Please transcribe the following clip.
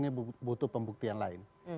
ini butuh pembuktian lain